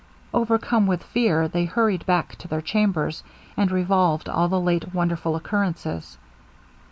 Overcome with fear they hurried back to their chambers, and revolved all the late wonderful occurrences.